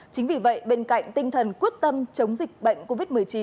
chính vì vậy bên cạnh tinh thần quyết tâm chống dịch bệnh covid một mươi chín